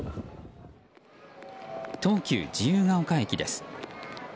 東急・自由が丘駅です。